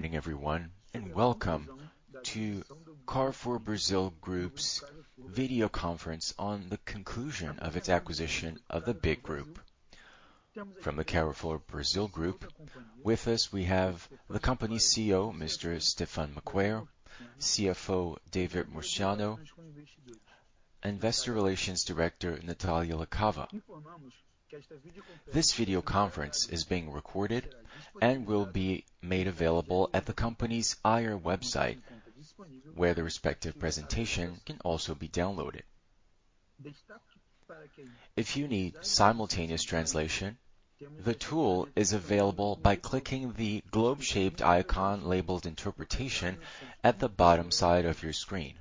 Good morning, everyone, and welcome to Grupo Carrefour Brasil's video conference on the conclusion of its acquisition of Grupo BIG. From Grupo Carrefour Brasil, with us we have the company's CEO, Mr. Stéphane Maquaire, CFO, David Murciano, Investor Relations Director, Natalia Lacava. This video conference is being recorded and will be made available at the company's IR website, where the respective presentation can also be downloaded. If you need simultaneous translation, the tool is available by clicking the globe-shaped icon labeled Interpretation at the bottom side of your screen.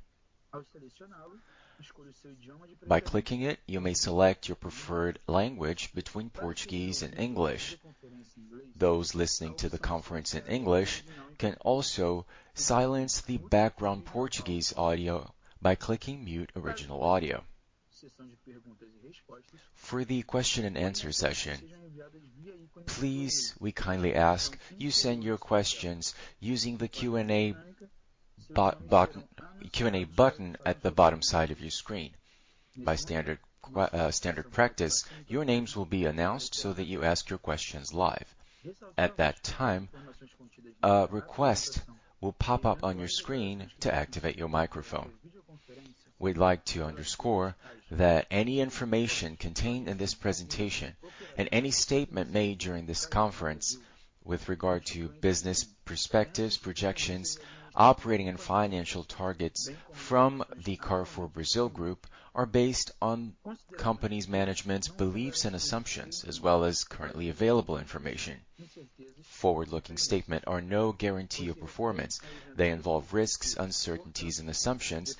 By clicking it, you may select your preferred language between Portuguese and English. Those listening to the conference in English can also silence the background Portuguese audio by clicking Mute Original Audio. For the question and answer session, please, we kindly ask you send your questions using the Q&A button at the bottom side of your screen. By standard practice, your names will be announced so that you ask your questions live. At that time, a request will pop up on your screen to activate your microphone. We'd like to underscore that any information contained in this presentation and any statement made during this conference with regard to business perspectives, projections, operating and financial targets from the Grupo Carrefour Brasil are based on the company's management's beliefs and assumptions as well as currently available information. Forward-looking statements are no guarantee of performance. They involve risks, uncertainties and assumptions,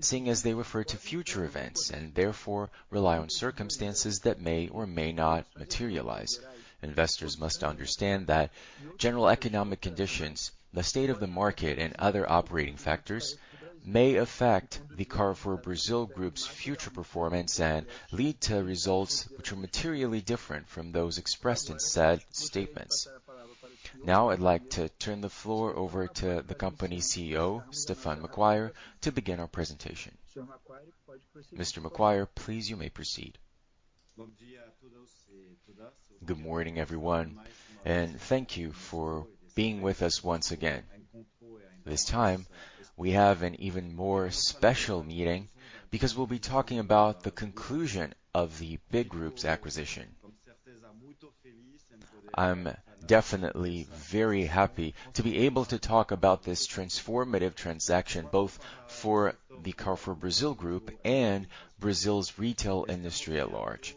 seeing as they refer to future events and therefore rely on circumstances that may or may not materialize. Investors must understand that general economic conditions, the state of the market and other operating factors may affect the Grupo Carrefour Brasil's future performance and lead to results which are materially different from those expressed in said statements. Now I'd like to turn the floor over to the company CEO, Stéphane Maquaire, to begin our presentation. Mr. Maquaire, please, you may proceed. Good morning, everyone, and thank you for being with us once again. This time we have an even more special meeting because we'll be talking about the conclusion of the Grupo BIG acquisition. I'm definitely very happy to be able to talk about this transformative transaction, both for the Grupo Carrefour Brasil and Brazil's retail industry at large.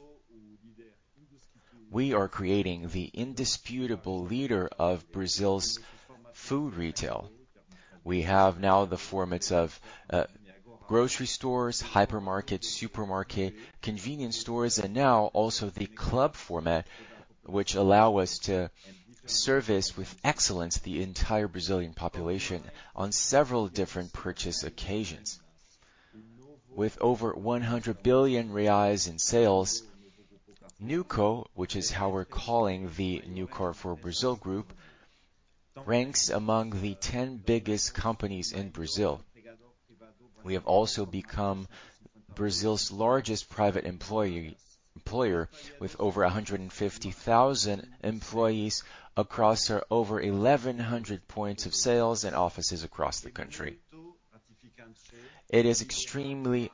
We are creating the indisputable leader of Brazil's food retail. We have now the formats of grocery stores, hypermarket, supermarket, convenience stores, and now also the club format, which allow us to service with excellence the entire Brazilian population on several different purchase occasions. With over 100 billion reais in sales, NewCo, which is how we're calling the New Carrefour Brazil Group, ranks among the 10 biggest companies in Brazil. We have also become Brazil's largest private employer with over 150,000 employees across our over 1,100 points of sale and offices across the country. It is extremely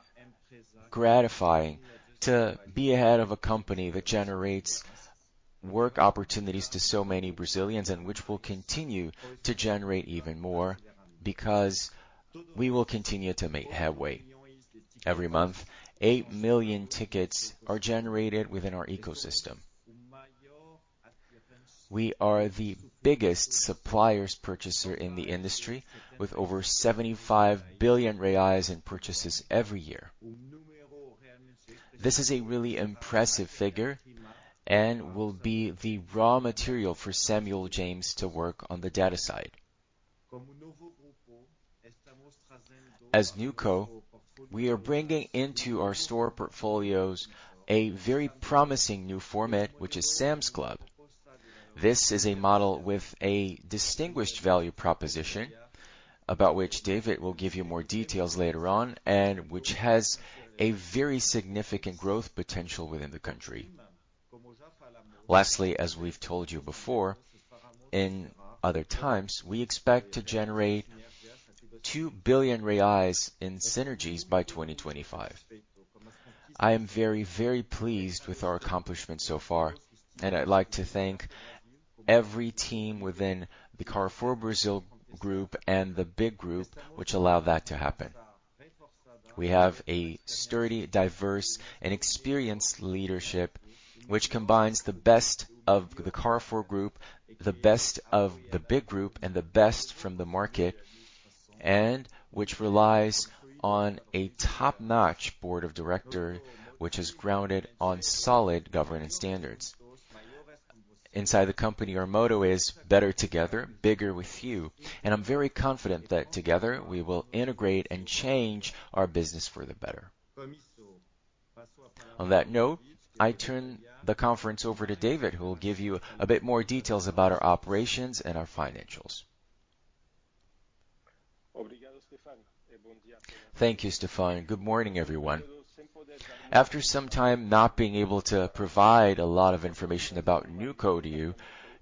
gratifying to be ahead of a company that generates work opportunities to so many Brazilians and which will continue to generate even more because we will continue to make headway. Every month, 8 million tickets are generated within our ecosystem. We are the biggest suppliers purchaser in the industry with over 75 billion reais in purchases every year. This is a really impressive figure and will be the raw material for Samuel James to work on the data side. As NewCo, we are bringing into our store portfolios a very promising new format, which is Sam's Club. This is a model with a distinguished value proposition about which David will give you more details later on and which has a very significant growth potential within the country. Lastly, as we've told you before, in other times, we expect to generate 2 billion reais in synergies by 2025. I am very, very pleased with our accomplishments so far, and I'd like to thank every team within the Carrefour Brazil Group and the BIG Group which allow that to happen. We have a sturdy, diverse and experienced leadership which combines the best of the Carrefour Group, the best of the BIG Group, and the best from the market, and which relies on a top-notch board of directors, which is grounded on solid governance standards. Inside the company, our motto is Better together, Bigger with you, and I'm very confident that together we will integrate and change our business for the better. On that note, I turn the conference over to David, who will give you a bit more details about our operations and our financials. Thank you, Stéphane. Good morning, everyone. After some time not being able to provide a lot of information about NewCo to you,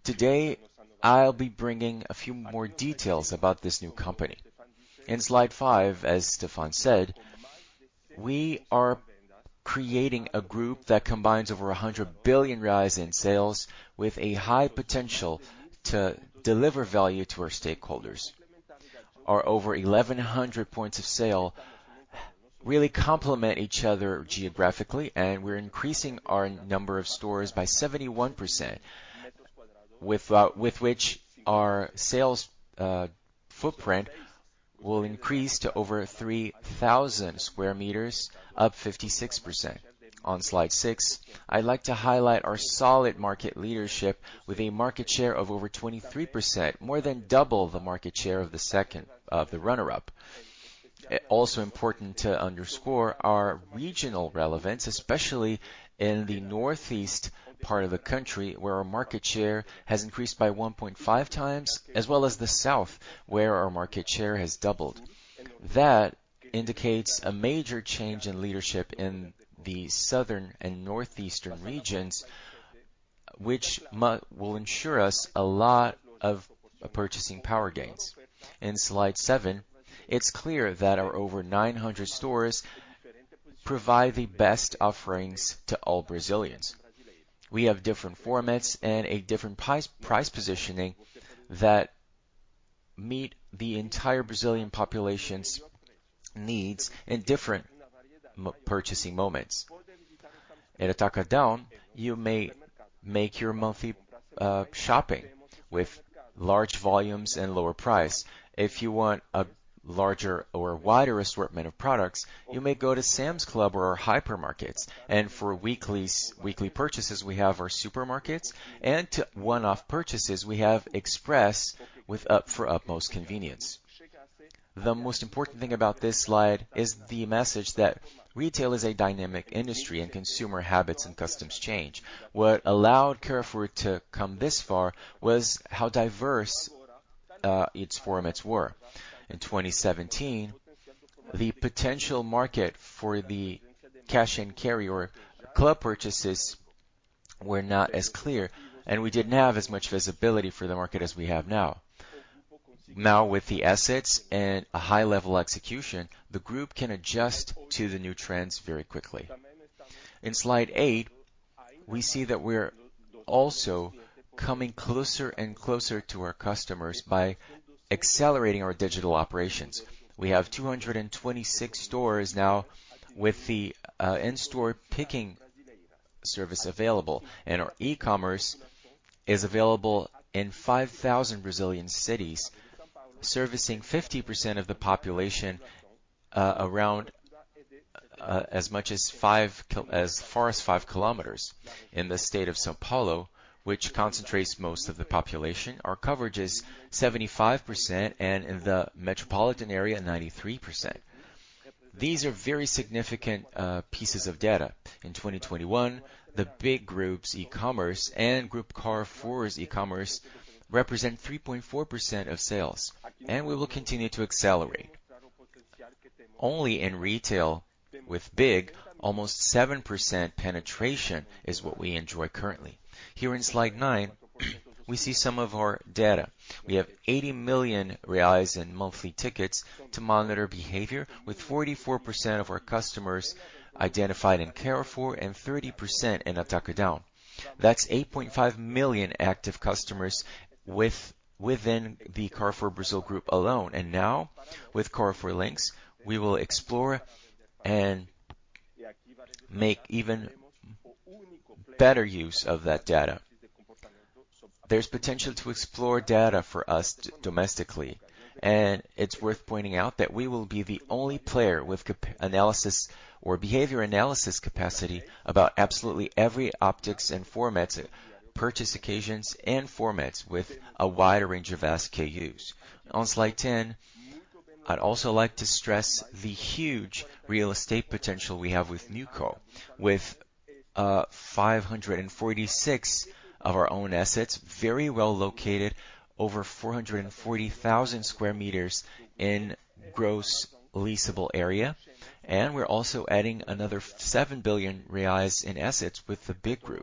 today I'll be bringing a few more details about this new company. In slide five, as Stéphane said, we are creating a group that combines over 100 billion in sales with a high potential to deliver value to our stakeholders. Our over 1,100 points of sale really complement each other geographically, and we're increasing our number of stores by 71%. With which our sales footprint will increase to over 3,000 sq m, up 56%. On slide six, I'd like to highlight our solid market leadership with a market share of over 23%, more than double the market share of the second of the runner-up. Also important to underscore our regional relevance, especially in the northeast part of the country, where our market share has increased by 1.5x, as well as the south, where our market share has doubled. That indicates a major change in leadership in the southern and northeastern regions, which will ensure us a lot of purchasing power gains. In slide seven, it's clear that our over 900 stores provide the best offerings to all Brazilians. We have different formats and a different price positioning that meet the entire Brazilian population's needs in different purchasing moments. At Atacadão, you may make your monthly shopping with large volumes and lower price. If you want a larger or wider assortment of products, you may go to Sam's Club or our hypermarkets. For weekly purchases, we have our supermarkets. To one-off purchases, we have Express for utmost convenience. The most important thing about this slide is the message that retail is a dynamic industry and consumer habits and customs change. What allowed Carrefour to come this far was how diverse its formats were. In 2017, the potential market for the cash and carry or club purchases were not as clear, and we didn't have as much visibility for the market as we have now. Now, with the assets and a high level execution, the group can adjust to the new trends very quickly. In slide eight, we see that we're also coming closer and closer to our customers by accelerating our digital operations. We have 226 stores now with the in-store picking service available, and our e-commerce is available in 5,000 Brazilian cities, servicing 50% of the population around as far as 5 km. In the state of São Paulo, which concentrates most of the population, our coverage is 75% and in the metropolitan area, 93%. These are very significant pieces of data. In 2021, the Grupo BIG's e-commerce and Carrefour Group's e-commerce represent 3.4% of sales, and we will continue to accelerate. Only in retail with BIG, almost 7% penetration is what we enjoy currently. Here in slide nine, we see some of our data. We have 80 million reais in monthly tickets to monitor behavior, with 44% of our customers identified in Carrefour and 30% in Atacadão. That's 8.5 million active customers within the Carrefour Brazil group alone. Now with Carrefour Links, we will explore and make even better use of that data. There's potential to explore data for us domestically, and it's worth pointing out that we will be the only player with customer analysis or behavior analysis capacity about absolutely every aspects and formats, purchase occasions and formats with a wide range of SKUs. On slide 10, I'd also like to stress the huge real estate potential we have with NewCo. With 546 of our own assets, very well located, over 440,000 sq m in gross leasable area. We're also adding another 7 billion reais in assets with the Grupo BIG.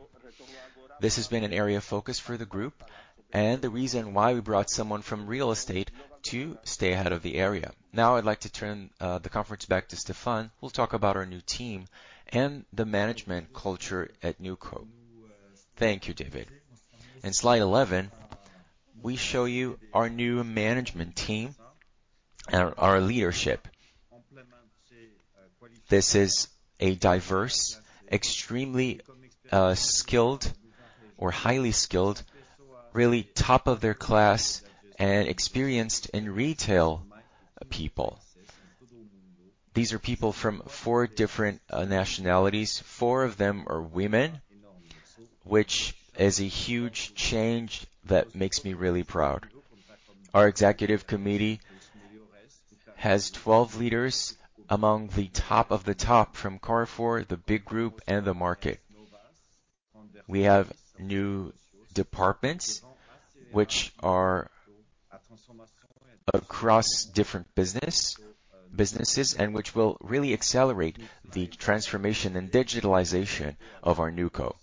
This has been an area of focus for the group and the reason why we brought someone from real estate to stay ahead of the area. Now I'd like to turn the conference back to Stéphane, who'll talk about our new team and the management culture at NewCo. Thank you, David. In slide 11, we show you our new management team and our leadership. This is a diverse, extremely skilled or highly skilled, really top of their class and experienced in retail people. These are people from four different nationalities. Four of them are women, which is a huge change that makes me really proud. Our executive committee has 12 leaders among the top of the top from Carrefour, the Grupo BIG, and the market. We have new departments which are across different businesses and which will really accelerate the transformation and digitalization of our NewCo.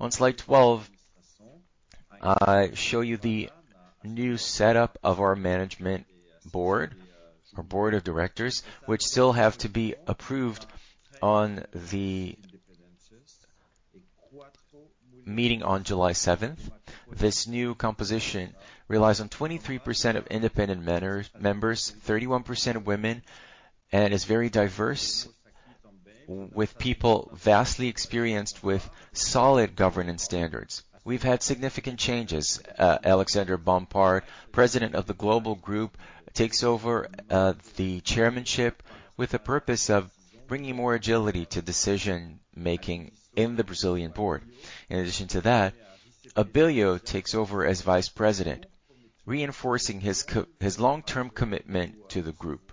On slide 12, I show you the new setup of our management board, our board of directors, which still have to be approved on the meeting on July seventh. This new composition relies on 23% of independent members, 31% women, and it is very diverse with people vastly experienced with solid governance standards. We've had significant changes. Alexandre Bompard, President of the global group, takes over the chairmanship with the purpose of bringing more agility to decision-making in the Brazilian board. In addition to that, Abilio takes over as Vice President, reinforcing his long-term commitment to the group,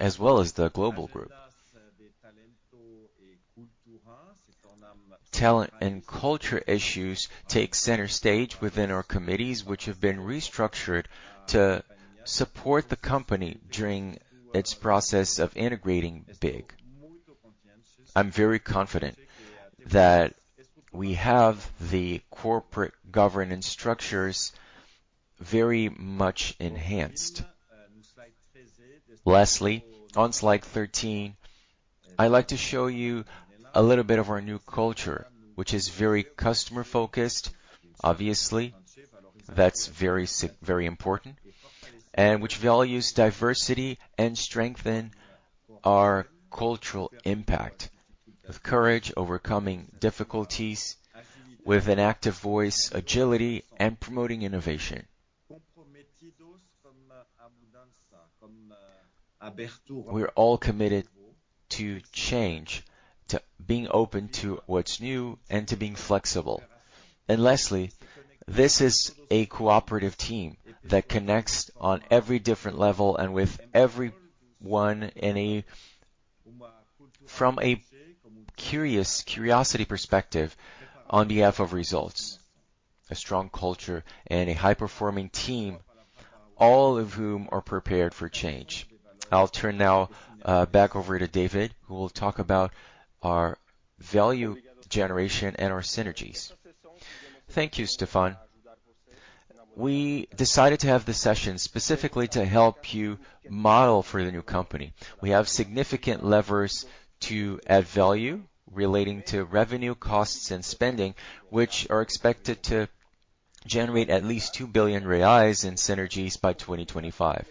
as well as the global group. Talent and culture issues take center stage within our committees, which have been restructured to support the company during its process of integrating BIG. I'm very confident that we have the corporate governance structures very much enhanced. Lastly, on slide 13, I like to show you a little bit of our new culture, which is very customer-focused. Obviously, that's very important and which values diversity and strengthen our cultural impact of courage, overcoming difficulties with an active voice, agility, and promoting innovation. We're all committed to change, to being open to what's new and to being flexible. Lastly, this is a cooperative team that connects on every different level and with everyone from a curiosity perspective on behalf of results. A strong culture and a high-performing team, all of whom are prepared for change. I'll turn now, back over to David, who will talk about our value generation and our synergies. Thank you, Stéphane. We decided to have this session specifically to help you model for the new company. We have significant levers to add value relating to revenue costs and spending, which are expected to generate at least 2 billion reais in synergies by 2025.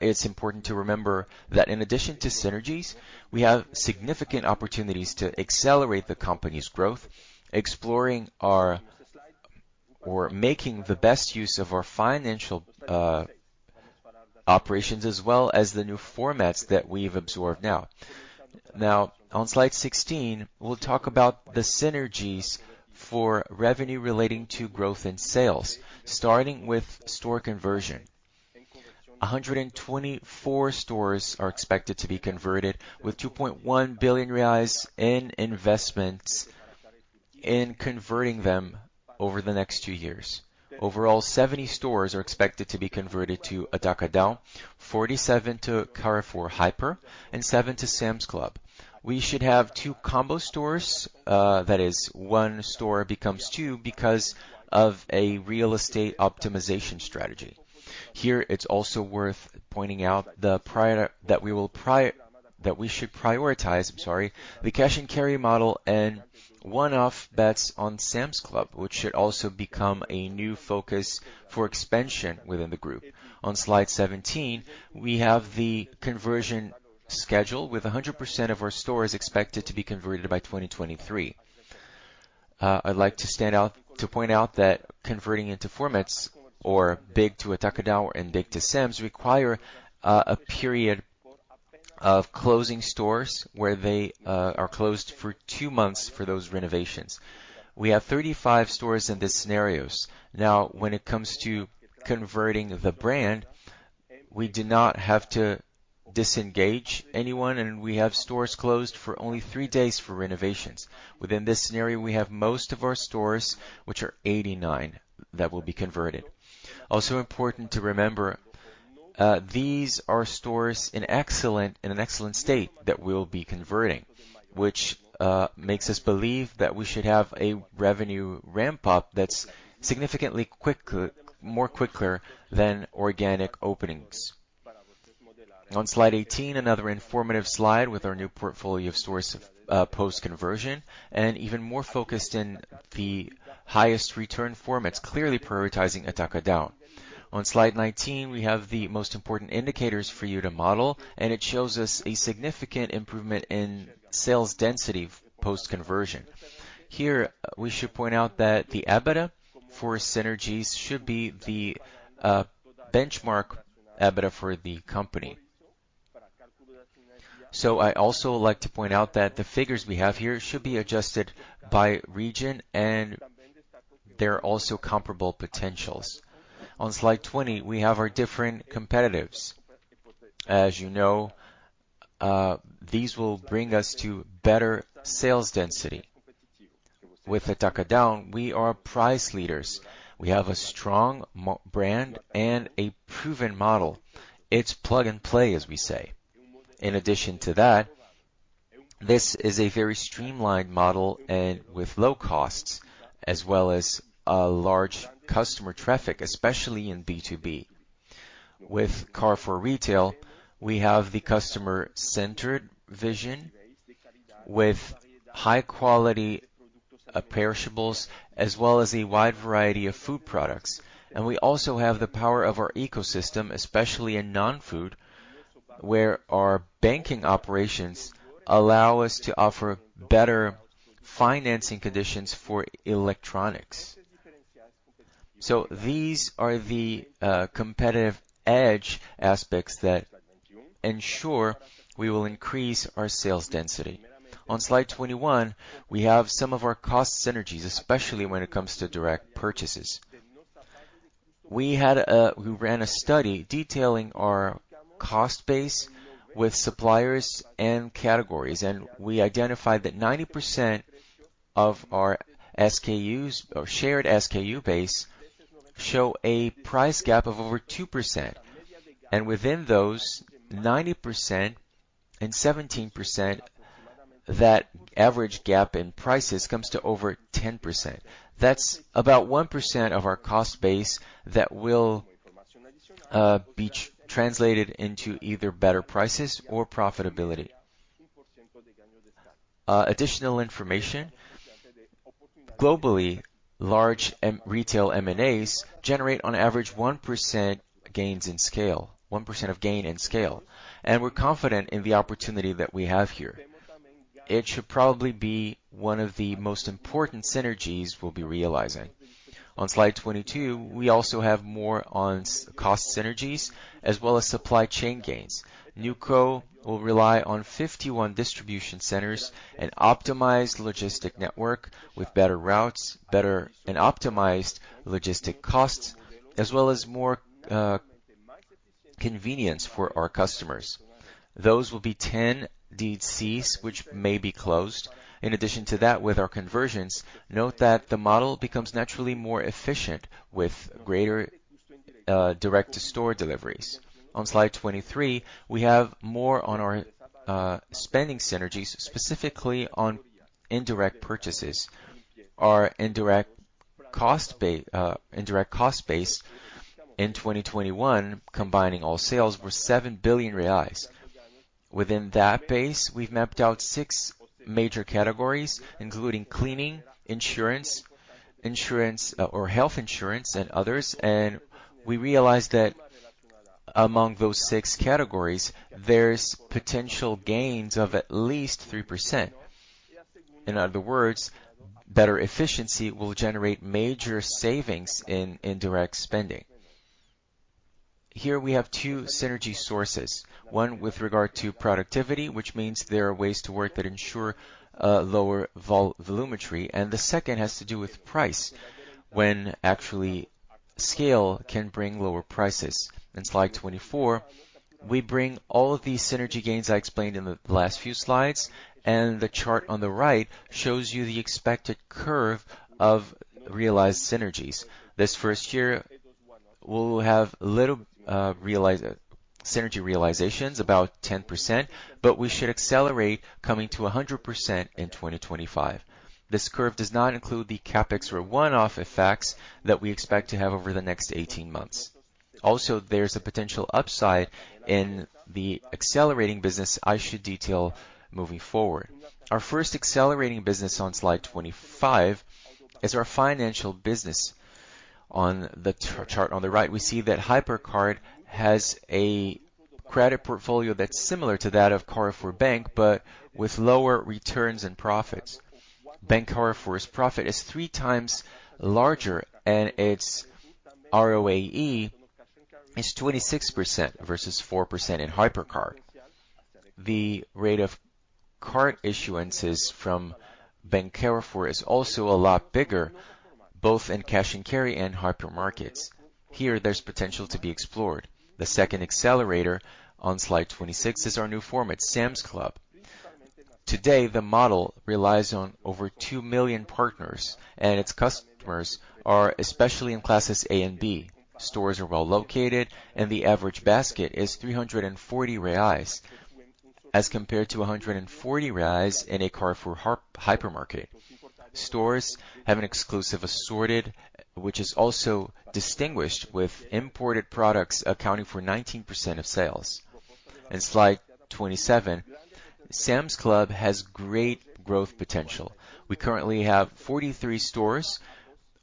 It's important to remember that in addition to synergies, we have significant opportunities to accelerate the company's growth, exploring our or making the best use of our financial, operations as well as the new formats that we've absorbed now. Now, on slide 16, we'll talk about the synergies for revenue relating to growth in sales, starting with store conversion. 124 stores are expected to be converted with 2.1 billion reais in investments in converting them over the next two years. Overall, 70 stores are expected to be converted to Atacadão, 47 to Carrefour Hiper, and 7 to Sam's Club. We should have two combo stores, that is one store becomes two because of a real estate optimization strategy. Here, it's also worth pointing out that we should prioritize, I'm sorry, the cash-and-carry model and one-off bets on Sam's Club, which should also become a new focus for expansion within the group. On slide 17, we have the conversion schedule with 100% of our stores expected to be converted by 2023. I'd like to point out that converting former BIG to Atacadão and BIG to Sam's Club require a period of closing stores where they are closed for two months for those renovations. We have 35 stores in these scenarios. Now, when it comes to converting the brand, we do not have to disengage anyone, and we have stores closed for only three days for renovations. Within this scenario, we have most of our stores, which are 89, that will be converted. Also important to remember, these are stores in an excellent state that we'll be converting, which makes us believe that we should have a revenue ramp-up that's significantly quicker, more quicker than organic openings. On slide 18, another informative slide with our new portfolio of stores, post-conversion, and even more focused in the highest return formats, clearly prioritizing Atacadão. On slide 19, we have the most important indicators for you to model, and it shows us a significant improvement in sales density post-conversion. Here, we should point out that the EBITDA for synergies should be the benchmark EBITDA for the company. I also like to point out that the figures we have here should be adjusted by region and there are also comparable potentials. On slide 20, we have our different competitors. As you know, these will bring us to better sales density. With the Atacadão, we are price leaders. We have a strong brand and a proven model. It's plug-and-play, as we say. In addition to that, this is a very streamlined model and with low costs as well as a large customer traffic, especially in B2B. With Carrefour Retail, we have the customer-centered vision with high quality perishables, as well as a wide variety of food products. We also have the power of our ecosystem, especially in non-food, where our banking operations allow us to offer better financing conditions for electronics. These are competitive edge aspects that ensure we will increase our sales density. On slide 21, we have some of our cost synergies, especially when it comes to direct purchases. We ran a study detailing our cost base with suppliers and categories, and we identified that 90% of our SKUs or shared SKU base show a price gap of over 2%. Within those 90% and 17%, that average gap in prices comes to over 10%. That's about 1% of our cost base that will be translated into either better prices or profitability. Additional information. Globally, large retail M&As generate on average 1% gains in scale, 1% of gain in scale, and we're confident in the opportunity that we have here. It should probably be one of the most important synergies we'll be realizing. On slide 22, we also have more on cost synergies as well as supply chain gains. NewCo will rely on 51 distribution centers and optimize logistic network with better routes, better and optimized logistic costs, as well as more convenience for our customers. Those will be 10 DDCs which may be closed. In addition to that, with our conversions, note that the model becomes naturally more efficient with greater direct-to-store deliveries. On slide 23, we have more on our spending synergies, specifically on indirect purchases. Our indirect cost base in 2021, combining all sales, were 7 billion reais. Within that base, we've mapped out six major categories, including cleaning, insurance, or health insurance and others, and we realized that among those six categories, there's potential gains of at least 3%. In other words, better efficiency will generate major savings in indirect spending. Here we have two synergy sources. One with regard to productivity, which means there are ways to work that ensure lower volumetry, and the second has to do with price, when actually scale can bring lower prices. In slide 24, we bring all of these synergy gains I explained in the last few slides, and the chart on the right shows you the expected curve of realized synergies. This first year, we'll have little synergy realizations, about 10%, but we should accelerate coming to a 100% in 2025. This curve does not include the CapEx or one-off effects that we expect to have over the next 18 months. Also, there's a potential upside in the accelerating business I should detail moving forward. Our first accelerating business on slide 25 is our financial business. On the chart on the right, we see that Hipercard has a credit portfolio that's similar to that of Banco Carrefour, but with lower returns and profits. Banco Carrefour's profit is three times larger, and its ROAE is 26% versus 4% in Hipercard. The rate of card issuances from Banco Carrefour is also a lot bigger, both in cash and carry and hypermarkets. Here, there's potential to be explored. The second accelerator on slide 26 is our new format, Sam's Club. Today, the model relies on over 2 million partners, and its customers are especially in classes A and B. Stores are well-located, and the average basket is 340 reais, as compared to 140 reais in a Carrefour hypermarket. Stores have an exclusive assortment, which is also distinguished with imported products accounting for 19% of sales. In slide 27, Sam's Club has great growth potential. We currently have 43 stores,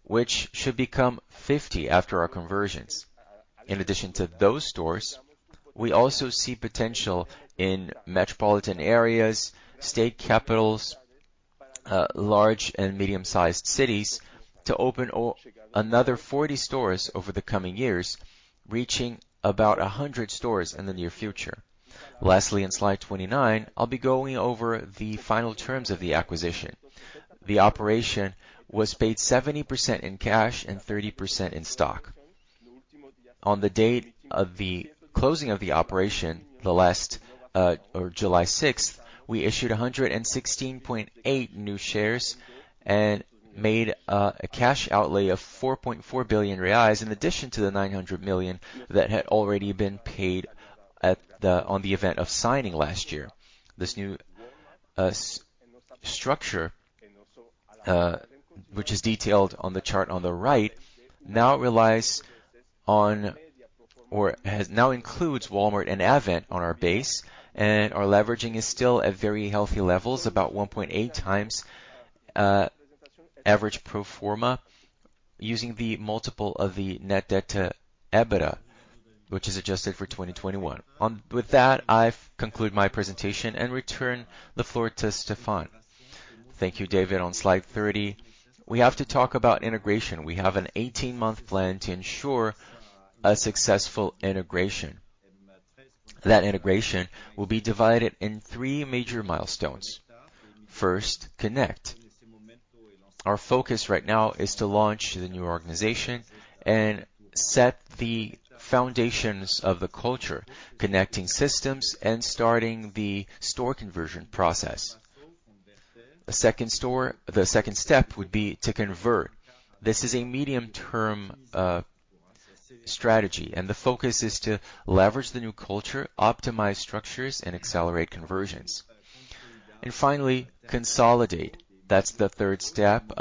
which should become 50 after our conversions. In addition to those stores, we also see potential in metropolitan areas, state capitals. Large and medium-sized cities to open another 40 stores over the coming years, reaching about 100 stores in the near future. Lastly, in slide 29, I'll be going over the final terms of the acquisition. The operation was paid 70% in cash and 30% in stock. On the date of the closing of the operation, the latter or July sixth, we issued 116.8 million new shares and made a cash outlay of 4.4 billion reais, in addition to the 900 million that had already been paid on the event of signing last year. This new structure, which is detailed on the chart on the right, now relies on or has now includes Walmart and Advent on our base, and our leveraging is still at very healthy levels, about 1.8x average pro forma using the multiple of the net debt to EBITDA, which is adjusted for 2021. With that, I've concluded my presentation and return the floor to Stéphane. Thank you, David. On slide 30, we have to talk about integration. We have an 18-month plan to ensure a successful integration. That integration will be divided in three major milestones. First, connect. Our focus right now is to launch the new organization and set the foundations of the culture, connecting systems and starting the store conversion process. The second step would be to convert. This is a medium-term strategy, and the focus is to leverage the new culture, optimize structures, and accelerate conversions. Finally, consolidate. That's the third step,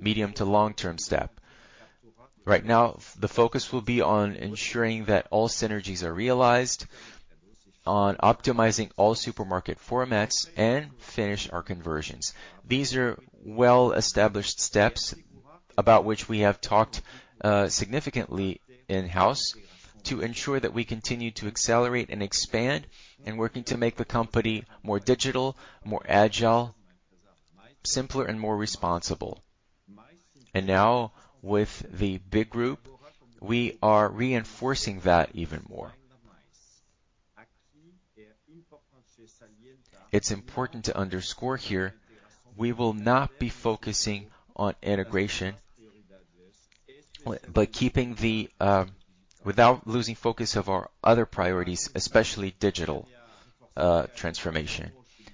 medium to long-term step. Right now, the focus will be on ensuring that all synergies are realized, on optimizing all supermarket formats, and finish our conversions. These are well-established steps about which we have talked significantly in-house to ensure that we continue to accelerate and expand and working to make the company more digital, more agile, simpler, and more responsible. Now, with the BIG group, we are reinforcing that even more. It's important to underscore here, we will not be focusing on integration without losing focus of our other priorities, especially digital transformation.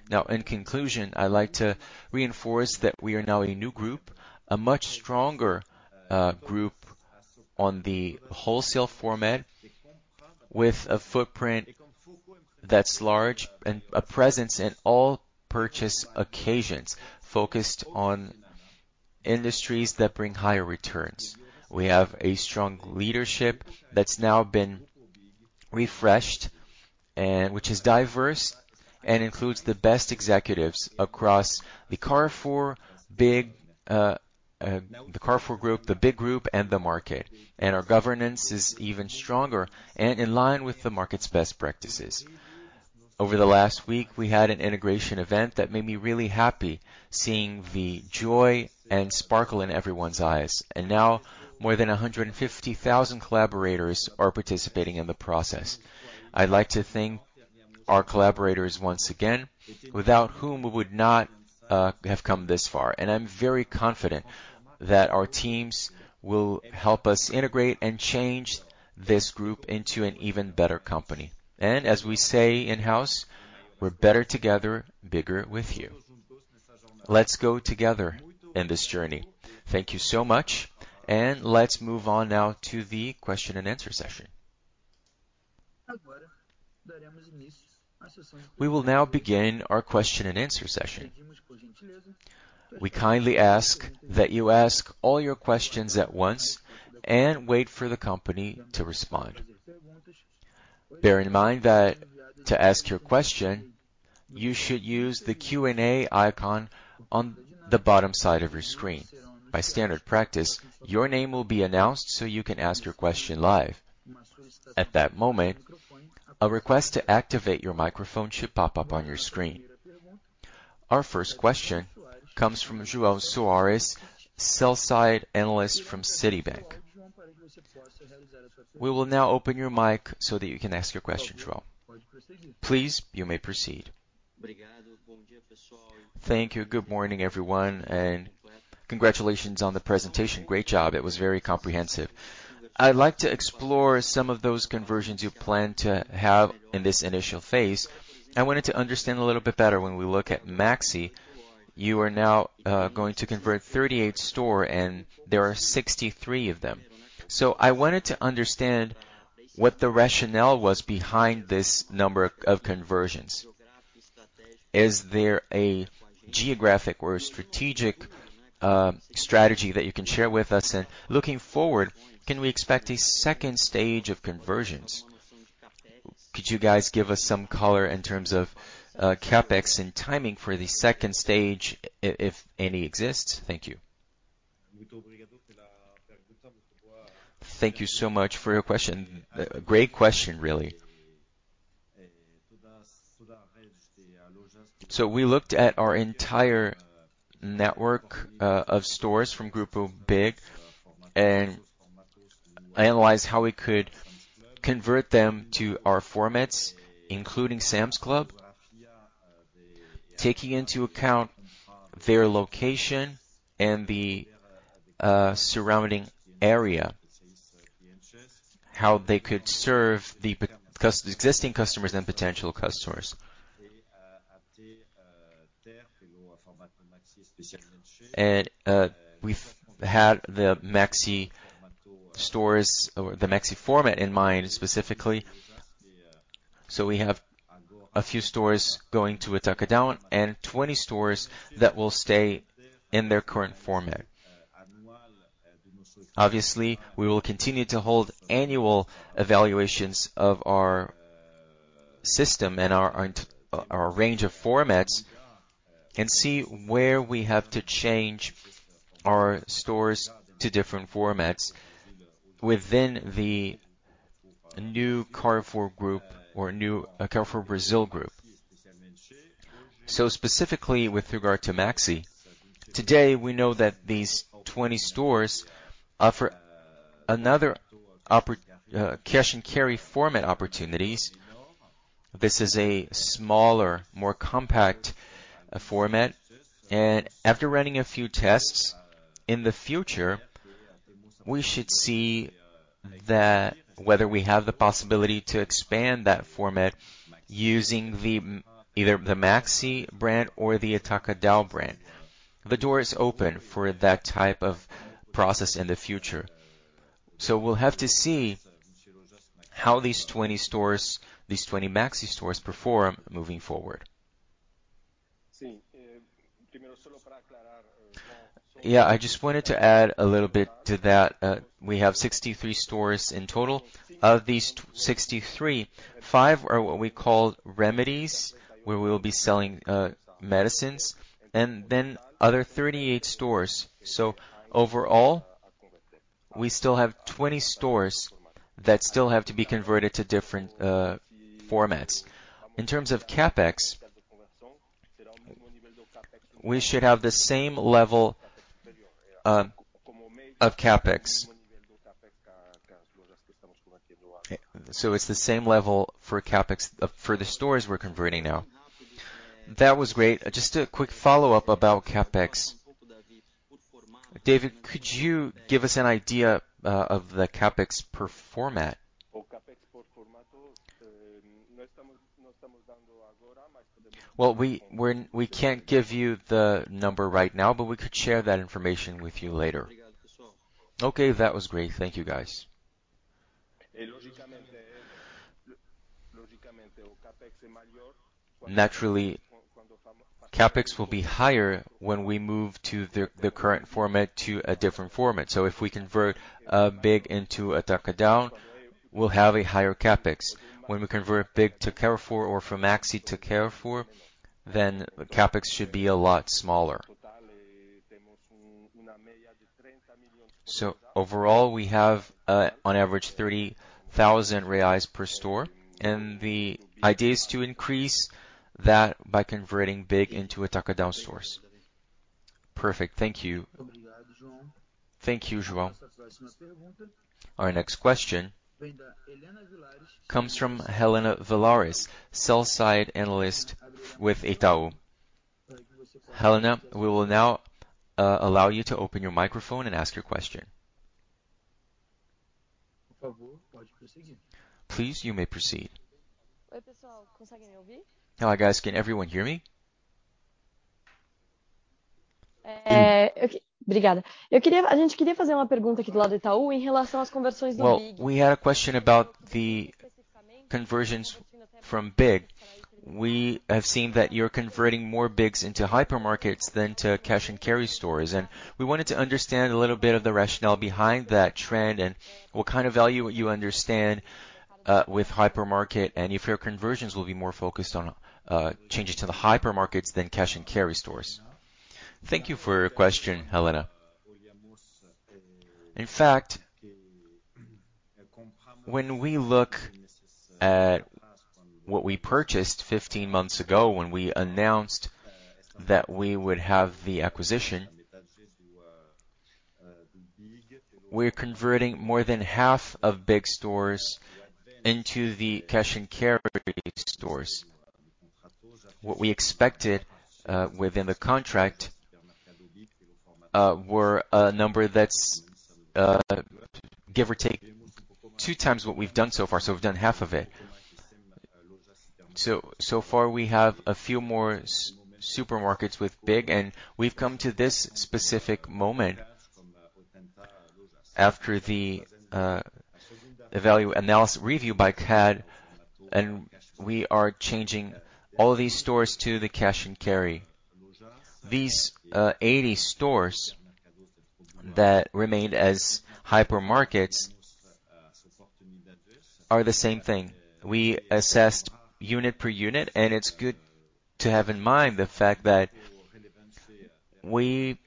Now, in conclusion, I like to reinforce that we are now a new group, a much stronger group on the wholesale format with a footprint that's large and a presence in all purchase occasions focused on industries that bring higher returns. We have a strong leadership that's now been refreshed and which is diverse and includes the best executives across the Carrefour, BIG, the Carrefour Group, the BIG group, and the market. Our governance is even stronger and in line with the market's best practices. Over the last week, we had an integration event that made me really happy seeing the joy and sparkle in everyone's eyes. Now more than 150,000 collaborators are participating in the process. I'd like to thank our collaborators once again, without whom we would not have come this far. I'm very confident that our teams will help us integrate and change this group into an even better company. As we say in-house, we're better together, bigger with you. Let's go together in this journey. Thank you so much. Let's move on now to the question and answer session. We will now begin our question and answer session. We kindly ask that you ask all your questions at once and wait for the company to respond. Bear in mind that to ask your question, you should use the Q&A icon on the bottom side of your screen. By standard practice, your name will be announced so you can ask your question live. At that moment, a request to activate your microphone should pop up on your screen. Our first question comes from João Soares, sell-side analyst from Citibank. We will now open your mic so that you can ask your question, João. Please, you may proceed. Thank you. Good morning, everyone, and congratulations on the presentation. Great job. It was very comprehensive. I'd like to explore some of those conversions you plan to have in this initial phase. I wanted to understand a little bit better. When we look at Maxxi, you are now going to convert 38 stores, and there are 63 of them. So I wanted to understand what the rationale was behind this number of conversions. Is there a geographic or strategic strategy that you can share with us? Looking forward, can we expect a second stage of conversions? Could you guys give us some color in terms of CapEx and timing for the second stage, if any exists? Thank you. Thank you so much for your question. A great question, really. We looked at our entire network of stores from Grupo BIG and analyzed how we could convert them to our formats, including Sam's Club, taking into account their location and the surrounding area, how they could serve the existing customers and potential customers. We've had the Maxxi stores or the Maxxi format in mind specifically. We have a few stores going to Atacadão and 20 stores that will stay in their current format. Obviously, we will continue to hold annual evaluations of our system and our range of formats and see where we have to change our stores to different formats within the new Carrefour Group or new Carrefour Brazil Group. Specifically with regard to Maxxi, today we know that these 20 stores offer another cash-and-carry format opportunities. This is a smaller, more compact format. After running a few tests, in the future, we should see that whether we have the possibility to expand that format using either the Maxxi brand or the Atacadão brand. The door is open for that type of process in the future. We'll have to see how these 20 stores, these 20 Maxxi stores perform moving forward. Yeah. I just wanted to add a little bit to that. We have 63 stores in total. Of these 63, five are what we call remedies, where we will be selling medicines and then other 38 stores. Overall, we still have 20 stores that still have to be converted to different formats. In terms of CapEx, we should have the same level of CapEx. It's the same level for CapEx for the stores we're converting now. That was great. Just a quick follow-up about CapEx. David, could you give us an idea of the CapEx per format? Well, we can't give you the number right now, but we could share that information with you later. Okay, that was great. Thank you, guys. Naturally, CapEx will be higher when we move from the current format to a different format. If we convert BIG into Atacadão, we'll have a higher CapEx. When we convert BIG to Carrefour or from Maxxi to Carrefour, then CapEx should be a lot smaller. Overall, we have on average 30,000 reais per store, and the idea is to increase that by converting BIG into Atacadão stores. Perfect. Thank you. Thank you, João. Our next question comes from Helena Villares, sell-side analyst with Itaú. Helena, we will now allow you to open your microphone and ask your question. Please, you may proceed. Hi, guys. Can everyone hear me? Yes. Well, we had a question about the conversions from BIG. We have seen that you're converting more BIGs into hypermarkets than to cash-and-carry stores, and we wanted to understand a little bit of the rationale behind that trend and what kind of value you understand with hypermarket and if your conversions will be more focused on changes to the hypermarkets than cash-and-carry stores. Thank you for your question, Helena. In fact, when we look at what we purchased 15 months ago, when we announced that we would have the acquisition, we're converting more than half of BIG stores into the cash-and-carry stores. What we expected within the contract were a number that's give or take two times what we've done so far, so we've done half of it. So far we have a few more supermarkets with BIG, and we've come to this specific moment after the evaluation analysis review by CADE, and we are changing all of these stores to the cash-and-carry. These 80 stores that remained as hypermarkets are the same thing. We assessed unit per unit, and it's good to have in mind the fact that we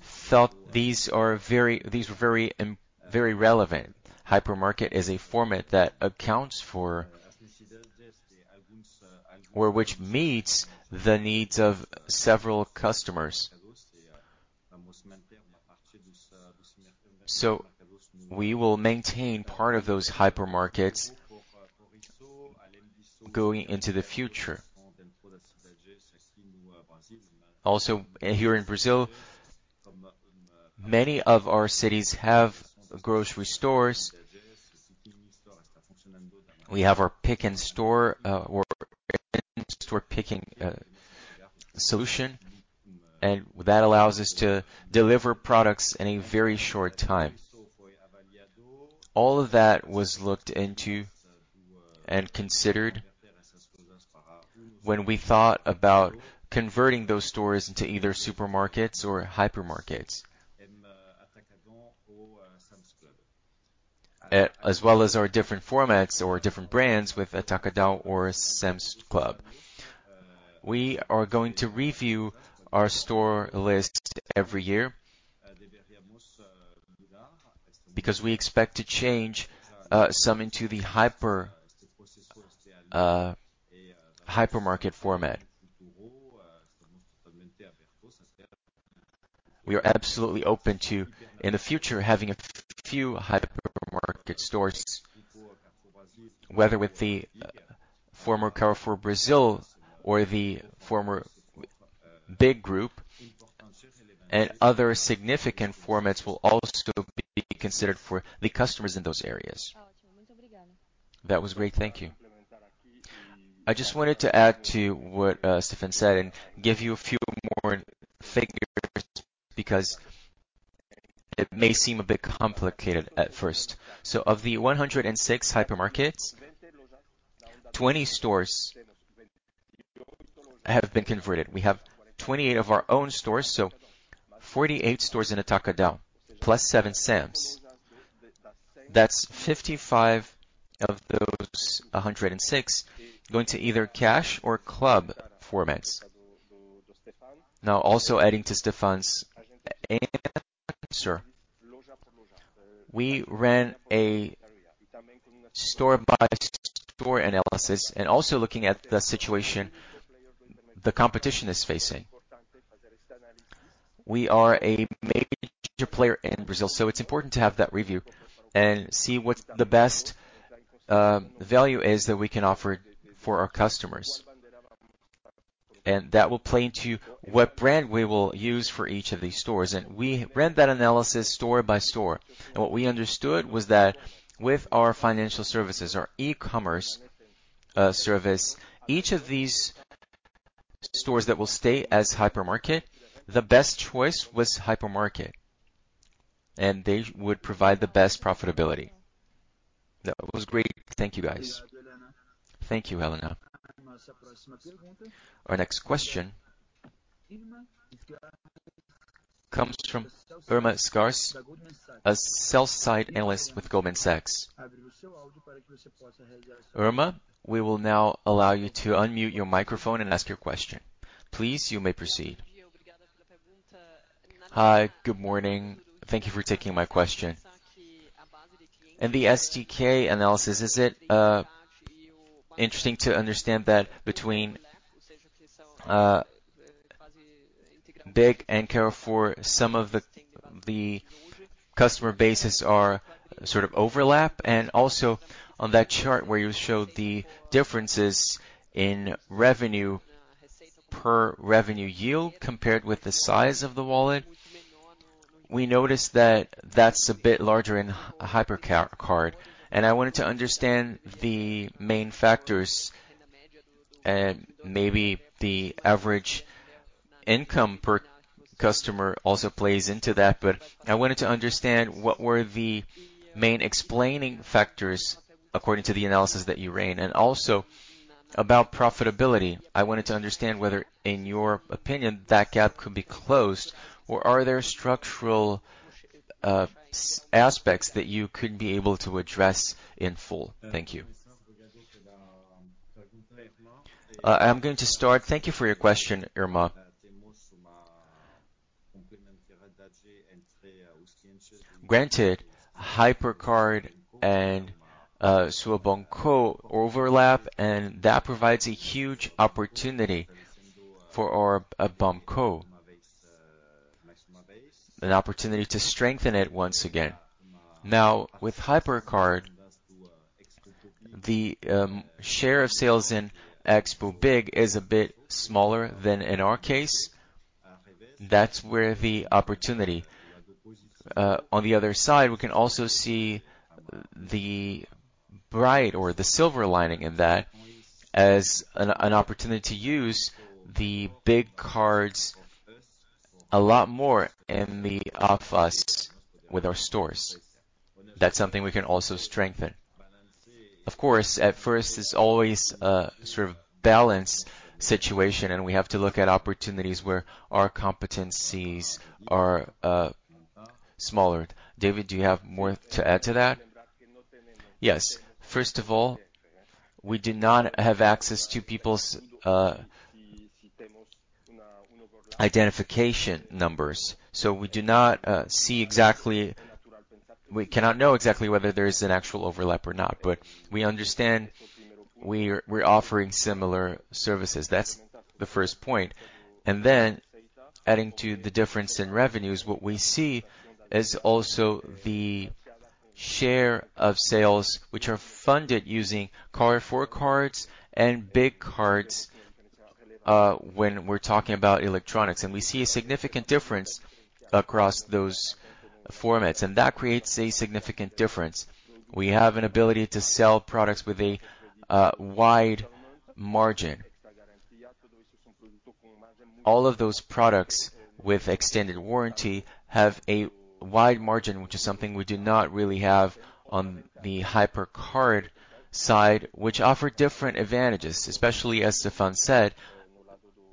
felt these were very, very relevant. Hypermarket is a format that accounts for or which meets the needs of several customers. We will maintain part of those hypermarkets going into the future. Also, here in Brazil, many of our cities have grocery stores. We have our pick and store or store picking solution, and that allows us to deliver products in a very short time. All of that was looked into and considered when we thought about converting those stores into either supermarkets or hypermarkets. As well as our different formats or different brands with Atacadão or Sam's Club. We are going to review our store list every year because we expect to change some into the hypermarket format. We are absolutely open to, in the future, having a few hypermarket stores, whether with the former Carrefour Brazil or the former BIG group, and other significant formats will also be considered for the customers in those areas. That was great. Thank you. I just wanted to add to what Stéphane said and give you a few more figures because it may seem a bit complicated at first. Of the 106 hypermarkets, 20 stores have been converted. We have 28 of our own stores, so 48 stores in Atacadão plus seven Sam's Club. That's 55 of those 106 going to either cash or club formats. Now, also adding to Stéphane's answer, we ran a store-by-store analysis and also looking at the situation the competition is facing. We are a major player in Brazil, so it's important to have that review and see what the best value is that we can offer for our customers. That will play into what brand we will use for each of these stores. We ran that analysis store by store. What we understood was that with our financial services, our e-commerce service, each of these stores that will stay as hypermarket, the best choice was hypermarket, and they would provide the best profitability. That was great. Thank you, guys. Thank you, Helena. Our next question comes from Irma Sgarz, a sell-side analyst with Goldman Sachs. Irma, we will now allow you to unmute your microphone and ask your question. Please, you may proceed. Hi, good morning. Thank you for taking my question. In the SKU analysis, is it interesting to understand that between Big and Carrefour, some of the customer bases are sort of overlap? And also on that chart where you showed the differences in revenue per revenue yield compared with the size of the wallet, we noticed that that's a bit larger in Hipercard. I wanted to understand the main factors and maybe the average income per customer also plays into that. I wanted to understand what were the main explaining factors according to the analysis that you ran. Also about profitability, I wanted to understand whether, in your opinion, that gap could be closed or are there structural aspects that you could be able to address in full? Thank you. I'm going to start. Thank you for your question, Irma. Granted, Hipercard and Banco Carrefour overlap, and that provides a huge opportunity for our Banco, an opportunity to strengthen it once again. Now, with Hipercard, the share of sales in ex-BIG is a bit smaller than in our case. That's where the opportunity. On the other side, we can also see the bright or the silver lining in that as an opportunity to use the BIG cards a lot more in the off-us with our stores. That's something we can also strengthen. Of course, at first, it's always a sort of balance situation, and we have to look at opportunities where our competencies are smaller. David, do you have more to add to that? Yes. First of all, we do not have access to people's identification numbers, so we do not see exactly. We cannot know exactly whether there's an actual overlap or not. But we understand we're offering similar services. That's the first point. Adding to the difference in revenues, what we see is also the share of sales which are funded using Carrefour cards and BIG cards when we're talking about electronics. We see a significant difference across those formats, and that creates a significant difference. We have an ability to sell products with a wide margin. All of those products with extended warranty have a wide margin, which is something we do not really have on the Hipercard side, which offer different advantages, especially as Stéphane said,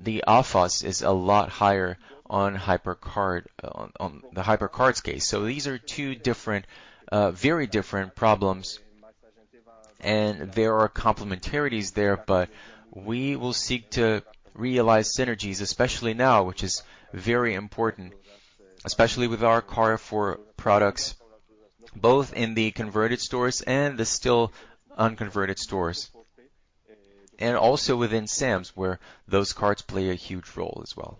the alpha is a lot higher on Hipercard, on the Hipercard case. These are two different, very different problems, and there are complementarities there, but we will seek to realize synergies, especially now, which is very important, especially with our Carrefour products, both in the converted stores and the still unconverted stores, and also within Sam's Club, where those cards play a huge role as well.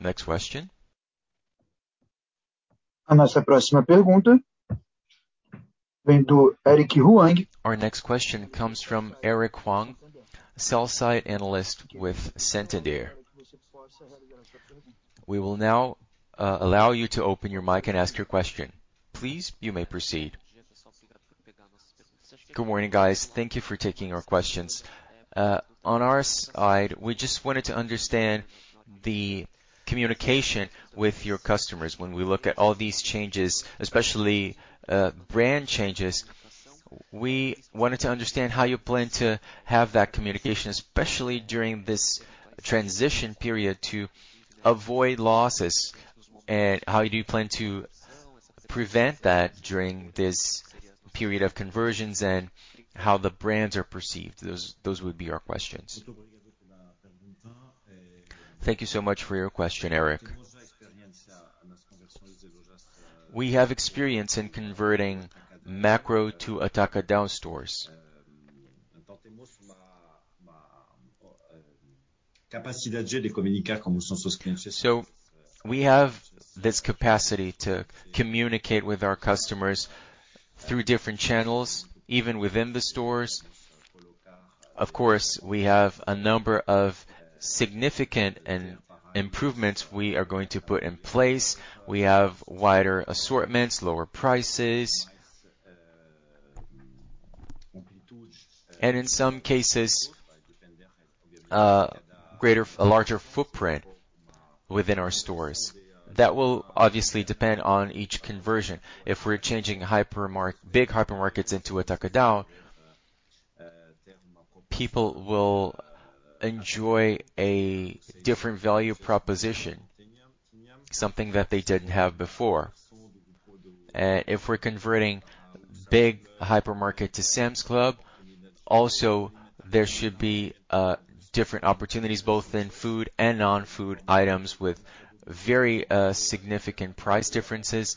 Next question. Our next question comes from Eric Huang, sell-side Analyst with Santander. We will now allow you to open your mic and ask your question. Please, you may proceed. Good morning, guys. Thank you for taking our questions. On our side, we just wanted to understand the communication with your customers. When we look at all these changes, especially brand changes, we wanted to understand how you plan to have that communication, especially during this transition period, to avoid losses, and how you do plan to prevent that during this period of conversions and how the brands are perceived. Those would be our questions. Thank you so much for your question, Eric. We have experience in converting Makro to Atacadão stores. We have this capacity to communicate with our customers through different channels, even within the stores. Of course, we have a number of significant improvements we are going to put in place. We have wider assortments, lower prices. In some cases, a larger footprint within our stores. That will obviously depend on each conversion. If we're changing big hypermarkets into Atacadão, people will enjoy a different value proposition, something that they didn't have before. If we're converting big hypermarket to Sam's Club, also there should be different opportunities both in food and non-food items with very significant price differences.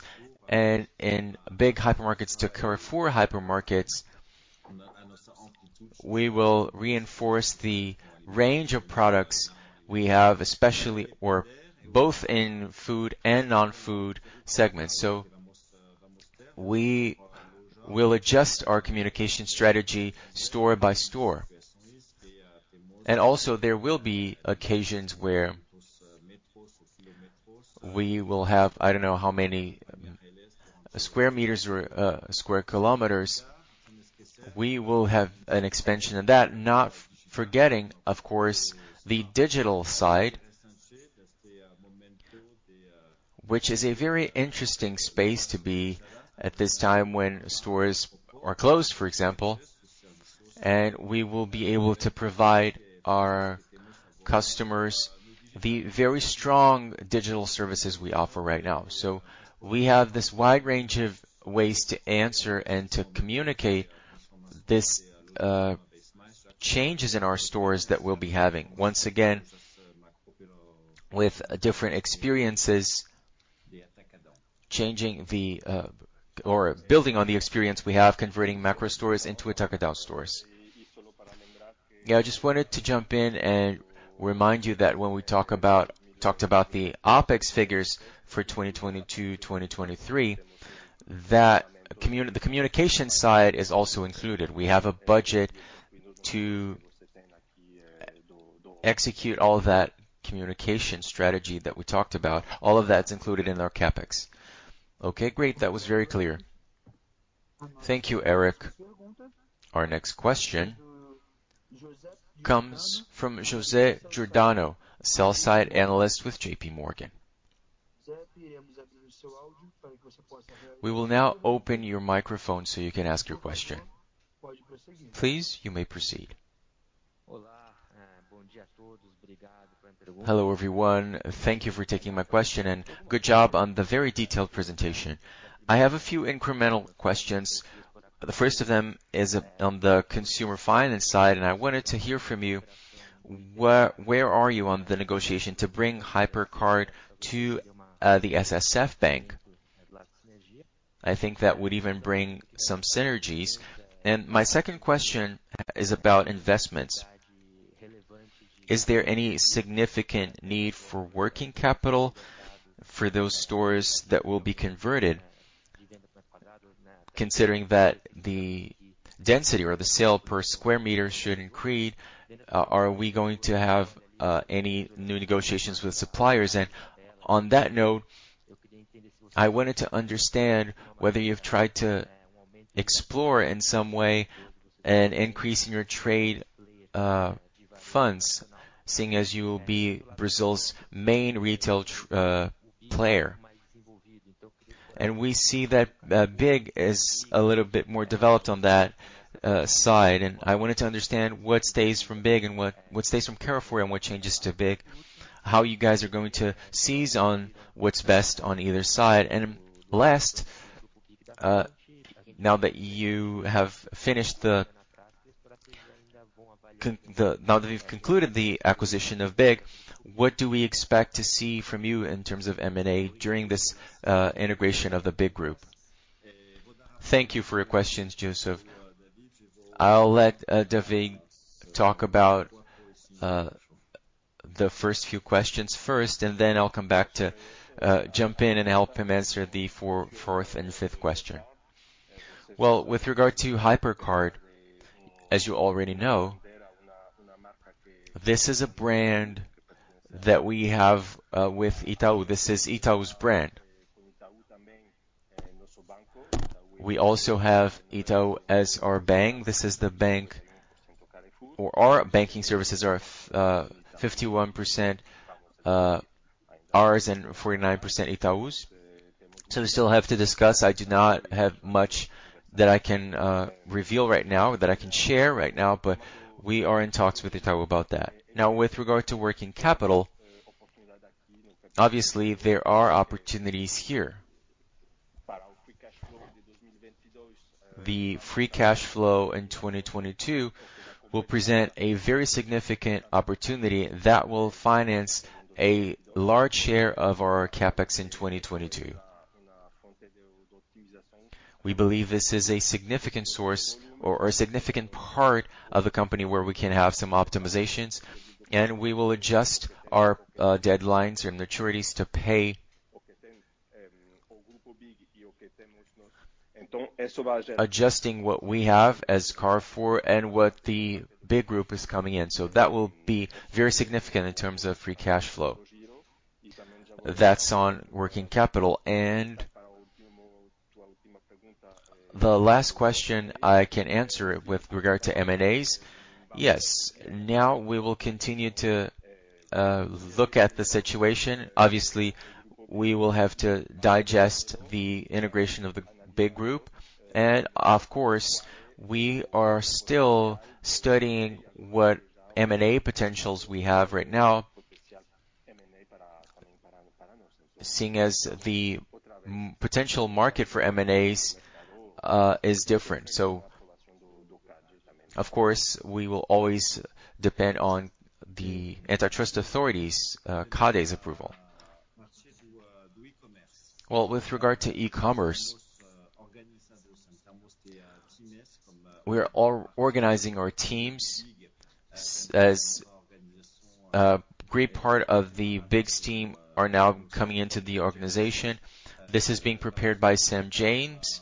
In big hypermarkets to Carrefour hypermarkets, we will reinforce the range of products we have, especially or both in food and non-food segments. We will adjust our communication strategy store by store. There will be occasions where we will have, I don't know how many sq m or sq km, we will have an expansion of that. Not forgetting, of course, the digital side, which is a very interesting space to be at this time when stores are closed, for example, and we will be able to provide our customers the very strong digital services we offer right now. We have this wide range of ways to answer and to communicate this changes in our stores that we'll be having, once again with different experiences, or building on the experience we have converting Makro stores into Atacadão stores. Yeah. I just wanted to jump in and remind you that when we talk about the OpEx figures for 2022, 2023, the communication side is also included. We have a budget to execute all that communication strategy that we talked about. All of that's included in our CapEx. Okay, great. That was very clear. Thank you, Eric. Our next question comes from Joseph Giordano, sell-side analyst with JPMorgan. We will now open your microphone so you can ask your question. Please, you may proceed. Hello, everyone. Thank you for taking my question and good job on the very detailed presentation. I have a few incremental questions. The first of them is on the consumer finance side, and I wanted to hear from you, where are you on the negotiation to bring Hipercard to the SSF Bank? I think that would even bring some synergies. My second question is about investments. Is there any significant need for working capital for those stores that will be converted? Considering that the density or the sale per sq m should increase, are we going to have any new negotiations with suppliers? On that note, I wanted to understand whether you've tried to explore in some way an increase in your trade funds, seeing as you will be Brazil's main retail player. We see that BIG is a little bit more developed on that side. I wanted to understand what stays from BIG and what stays from Carrefour and what changes to BIG, how you guys are going to seize on what's best on either side. Last, now that we've concluded the acquisition of BIG, what do we expect to see from you in terms of M&A during this integration of the BIG group? Thank you for your questions, Joseph. I'll let David talk about the first few questions first, and then I'll come back to jump in and help him answer the fourth and fifth question. Well, with regard to Hipercard, as you already know, this is a brand that we have with Itaú. This is Itaú's brand. We also have Itaú as our bank. This is the bank, or our banking services are 51% ours and 49% Itaú's. So we still have to discuss. I do not have much that I can reveal right now or that I can share right now, but we are in talks with Itaú about that. Now, with regard to working capital, obviously there are opportunities here. The free cash flow in 2022 will present a very significant opportunity that will finance a large share of our CapEx in 2022. We believe this is a significant source or a significant part of the company where we can have some optimizations, and we will adjust our deadlines and maturities to pay. Adjusting what we have as Carrefour and what the Grupo BIG is coming in. That will be very significant in terms of free cash flow. That's on working capital. The last question I can answer with regard to M&As. Yes. Now we will continue to look at the situation. Obviously, we will have to digest the integration of the Grupo BIG. Of course, we are still studying what M&A potentials we have right now, seeing as the M&A potential market for M&As is different. Of course, we will always depend on the antitrust authorities, CADE's approval. With regard to e-commerce, we are organizing our teams as a great part of the BIG's team are now coming into the organization. This is being prepared by Sam James.